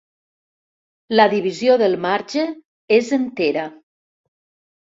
La divisió del marge és entera.